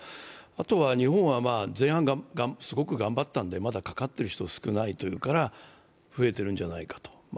あとは日本は前半、すごく頑張ったので、まだかかった人が少ないから増えているんじゃないかと。